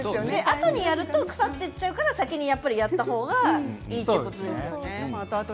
後にやると腐ってしまうから先にやったほうがいいということですよね。